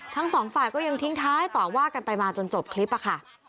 ทั้งสองฝ่ายก็ยังทิ้งท้ายต่อว่ากันไปมาจนจบคลิปอะค่ะ